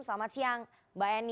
selamat siang mbak eni